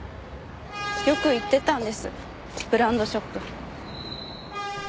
よく行ってたんですブランドショップ。